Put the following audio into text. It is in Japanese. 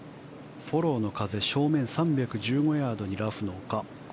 フォローの風正面３１５ヤードにラフの丘。